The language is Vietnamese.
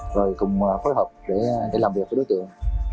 rồi cùng phối hợp để làm việc với đối tượng